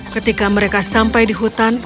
ketika mereka sampai di hutan mereka berkata